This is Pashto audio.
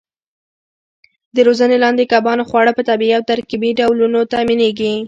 د روزنې لاندې کبانو خواړه په طبیعي او ترکیبي ډولونو تامینېږي.